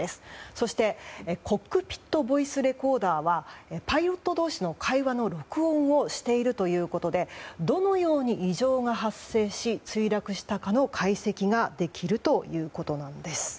そしてコックピットボイスレコーダーはパイロット同士の会話の録音をしているということでどのように異常が発生し墜落したかの解析ができると。